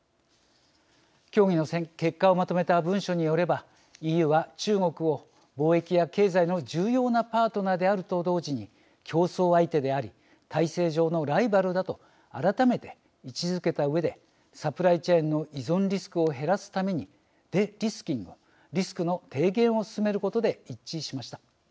協議の結果をまとめた文書によればＥＵは中国を貿易や経済の重要なパートナーであると同時に競争相手であり体制上のライバルだと改めて位置づけたうえでサプライチェーンの依存リスクを減らすためにデリスキングリスクの低減を進めることで一致しました。